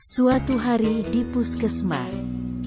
suatu hari di puskesmas